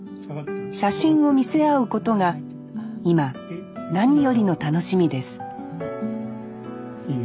写真を見せ合うことが今何よりの楽しみですいいね。